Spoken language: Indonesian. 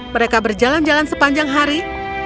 mereka berjalan jalan sepanjang hari